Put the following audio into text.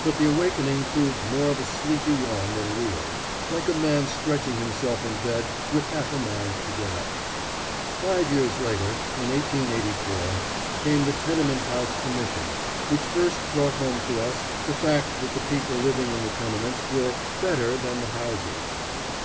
But the awakening proved more of a sleepy yawn than real like a man stretching himself in bed with half a mind to get up. Five years later, in 1884, came the Tenement House Commission which first brought home to us the fact that the people living in the tenements were "better than the houses."